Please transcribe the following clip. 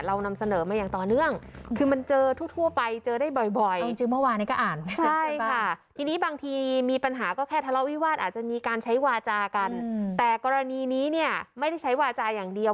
เรานำเสนอมาอย่างต่อเนื่องคือมันเจอทั่วทั่วไปเจอได้บ่อยบ่อย